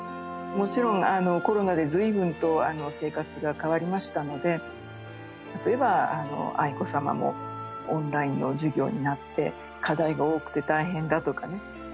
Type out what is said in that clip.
もちろんコロナでずいぶんと生活が変わりましたので例えば愛子さまもオンラインの授業になって課題が多くて大変だとかね。